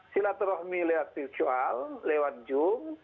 silaturahmi lewat virtual lewat zoom